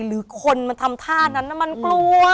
หรือคนมันทำท่านั้นมันกลัว